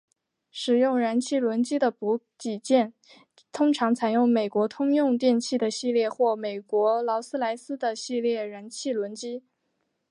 使用燃气轮机的补给舰通常采用美国通用电气的系列或英国劳斯莱斯的系列燃气轮机。